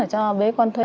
cho bé con thuê